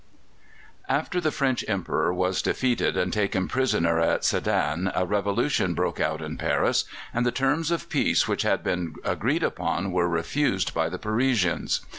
After the French Emperor was defeated and taken prisoner at Sedan a revolution broke out in Paris, and the terms of peace which had been agreed upon were refused by the Parisians.